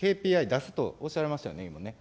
ＫＰＩ出すとおっしゃられましたよね、今ね。